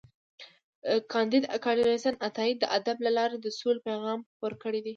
کانديد اکاډميسن عطايي د ادب له لارې د سولې پیغام خپور کړی دی.